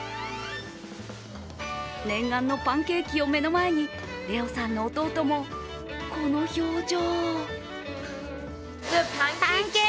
念願のパンケーキを目の前にレオさんの弟もこの表情。